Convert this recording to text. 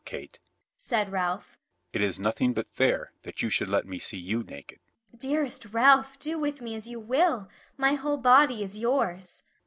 "Now, Kate," said Ralph, "it is nothing but fair that you should let me see you naked." "Dearest Ralph, do with me as you will; my whole body is yours."